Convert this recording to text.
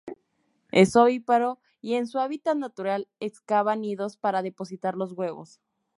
Es ovíparo y, en su hábitat natural, excava nidos para depositar los huevos.